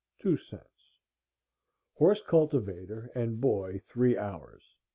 0.02 Horse cultivator and boy three hours